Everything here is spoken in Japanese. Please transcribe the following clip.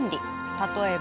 例えば。